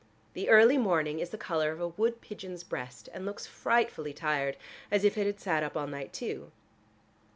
The early morning is the color of a wood pigeon's breast, and looks frightfully tired, as if it had sat up all night too.